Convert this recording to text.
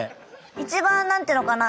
一番何て言うのかな。